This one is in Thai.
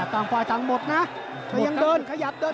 ต่างฝ่ายต่างหมดนะถ้ายังเดินขยับเดิน